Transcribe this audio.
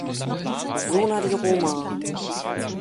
Zona di Roma.